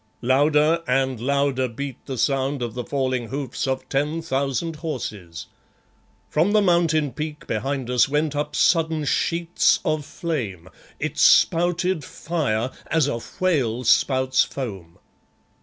Louder and louder beat the sound of the falling hoofs of ten thousand horses. From the Mountain peak behind us went up sudden sheets of flame; it spouted fire as a whale spouts foam.